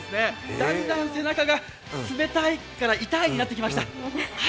だんだん背中が「冷たい」から「痛い」になってきました。